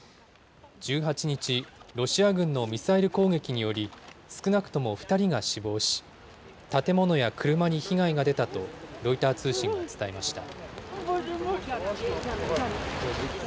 １８日、ロシア軍のミサイル攻撃により、少なくとも２人が死亡し、建物や車に被害が出たとロイター通信が伝えました。